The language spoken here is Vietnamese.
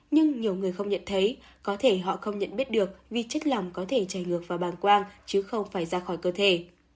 nhưng nhiều người không nhận thấy có thể họ không nhận biết được vì chất lỏng có thể chảy ngược vào bàng quang chứ không phải ra khỏi cơ thể